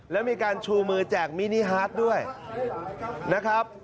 แล้วมีการชูมือแจกมินิฮาร์ดด้วยนะครับ